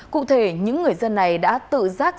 cụ thể những người dân này đã tự giác